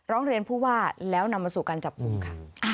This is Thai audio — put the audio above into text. ร้องเรียนผู้ว่าแล้วนำมาสู่การจับกลุ่มค่ะ